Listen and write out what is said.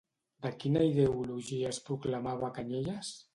De quina ideologia es proclamava Cañellas?